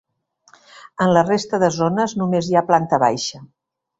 En la resta de zones només hi ha planta baixa.